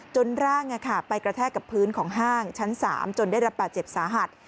จนร่างไปกระแทกกับพื้นของห้างชั้น๓จนได้รับบาดเจ็บสาหัส